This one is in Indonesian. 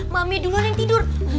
mami duluan yang tidur